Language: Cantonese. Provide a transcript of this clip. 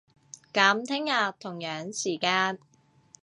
噉聽日，同樣時間